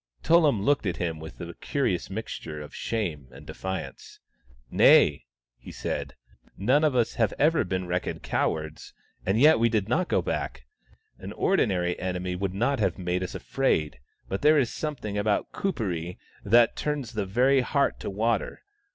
Tullum looked at him with a curious mixture of shame and defiance. " Nay," he said. " None of us have ever been reckoned cowards — and yet we did not go back. An ordinary enemy would not have made us afraid, but there is something about Kuperee that turns the very heart to water.